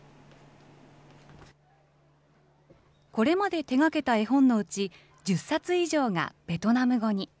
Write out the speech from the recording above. これまで手がけた絵本のうち、１０冊以上がベトナム語に。